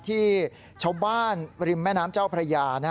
ที่ชาวบ้านริมแม่น้ำเจ้าพระยา